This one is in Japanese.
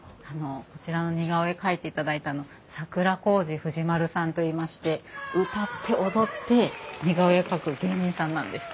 こちらの似顔絵描いていただいたの桜小路富士丸さんといいまして歌って踊って似顔絵を描く芸人さんなんです。